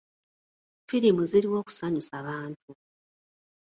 Firimu ziriwo kusanyusa bantu.